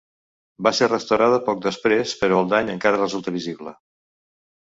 Va ser restaurada poc després, però el dany encara resulta visible.